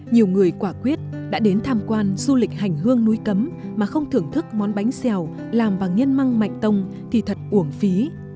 nhiều người quả quyết đã đến tham quan du lịch hành hương núi cấm mà không thưởng thức món bánh xèo làm bằng nhân măng mạnh tông thì thật uổng phí